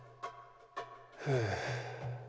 ふう。